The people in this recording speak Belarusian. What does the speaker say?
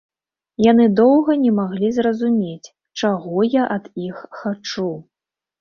Яны доўга не маглі зразумець, чаго я ад іх хачу.